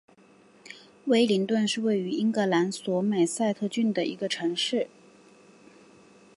威灵顿是位于英格兰索美塞特郡的一个城市。